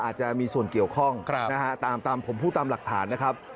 อาจจะมีส่วนเกี่ยวข้องนะฮะตามผมพูดตามหลักฐานนะครับ